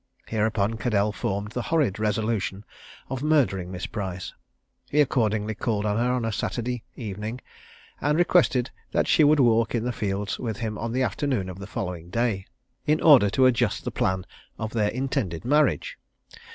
Hereupon Caddell formed the horrid resolution of murdering Miss Price. He accordingly called on her on a Saturday evening, and requested that she would walk in the fields with him on the afternoon of the following; day, in order to adjust the plan of their intended marriage.